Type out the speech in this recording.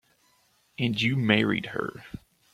And you married her.